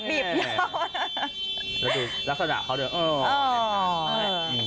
แล้วดูลักษณะเขาด้วยอ๋อ